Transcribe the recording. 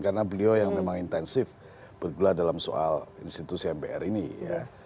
karena beliau yang memang intensif bergula dalam soal institusi mpr ini ya